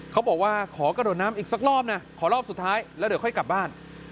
เขาบอกว่าขอกระโดดน้ำอีกสักรอบนะขอรอบสุดท้ายแล้วเดี๋ยวค่อยกลับบ้าน